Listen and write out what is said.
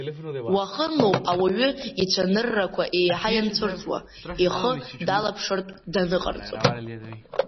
Уахынлоуп ауаҩы ицәаныррақәа еиҳа ианцәырҵуа, ихы далаԥшыртә даныҟарҵо…